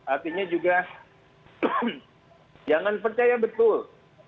artinya juga jangan percaya betul